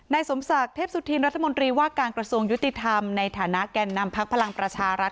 สมศักดิ์เทพสุธินรัฐมนตรีว่าการกระทรวงยุติธรรมในฐานะแก่นนำพักพลังประชารัฐ